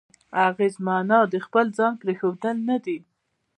اغېز معنا د خپل ځان پرېښوول نه دی.